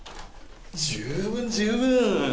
十分十分！